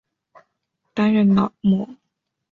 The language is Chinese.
担任劳模。